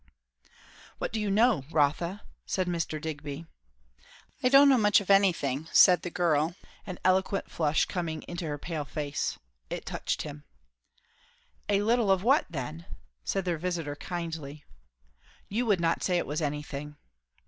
"What do you know, Rotha?" said Mr. Digby. "I don't know much of anything!" said the girl, an eloquent flush coming into her pale face. It touched him. "A little of what, then?" said their visiter kindly. "You would not say it was anything."